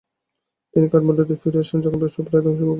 তিনি কাঠমান্ডুতে ফিরে আসেন, যখন ব্যবসা প্রায় ধ্বংসের মুখে।